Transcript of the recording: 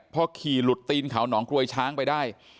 พอขี่หลุดตีนเขาหนองกลวยช้างไปได้